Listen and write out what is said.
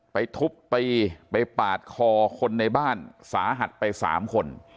ไปทุบไปปาดคอคนในบ้านสาหัสไปสามคน